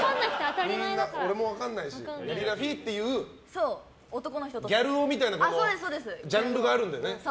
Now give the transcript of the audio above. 俺も分かんないしやりらふぃっていうギャル男みたいなジャンルがあるんだよね。